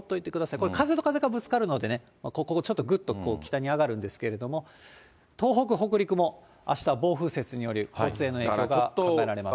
これ、風と風がぶつかるのでね、ここ、ちょっと北に上がるんですけども、東北、北陸も、あしたは暴風雪による交通への影響が考えられます。